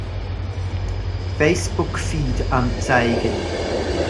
Facebook-Feed anzeigen!